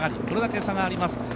これだけ下がります。